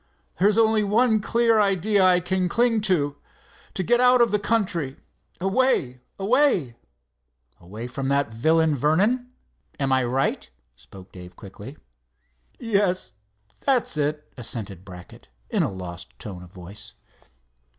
There's only one clear idea I can cling to—to get out of the country, away—away——" "Away from that villain, Vernon? Am I right?" spoke Dave, quickly. "Yes, that's it," assented Brackett, in a lost tone of voice.